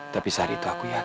tapi saat itu aku yakin